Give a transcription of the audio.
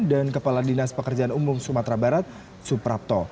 dan kepala dinas pekerjaan umum sumatera barat suprapto